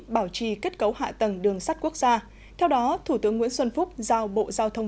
bảo trì kết cấu hạ tầng đường sắt quốc gia theo đó thủ tướng nguyễn xuân phúc giao bộ giao thông